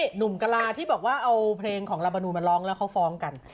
หนุ่มกะลาที่บอกว่าเอาเพลงของลาบานูมาร้องแล้วเขาฟ้องกัน